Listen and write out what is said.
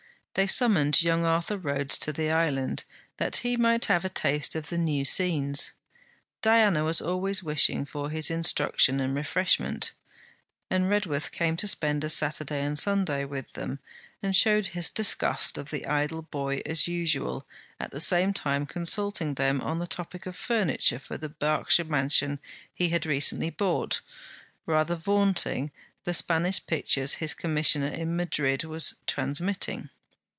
They summoned young Arthur Rhodes to the island, that he might have a taste of the new scenes. Diana was always wishing for his instruction and refreshment; and Redworth came to spend a Saturday and Sunday with them, and showed his disgust of the idle boy, as usual, at the same time consulting them on the topic of furniture for the Berkshire mansion he had recently bought, rather vaunting the Spanish pictures his commissioner in Madrid was transmitting.